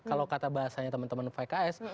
kalau kata bahasanya teman teman pks